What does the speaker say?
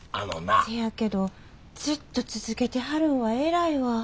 せやけどずっと続けてはるんは偉いわ。